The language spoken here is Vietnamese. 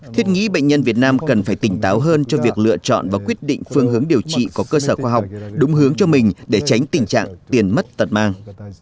thiết nghĩ bệnh nhân việt nam cần phải tỉnh táo hơn cho việc lựa chọn và quyết định phương hướng điều trị có cơ sở khoa học đúng hướng cho mình để tránh tình trạng tiền mất tật mang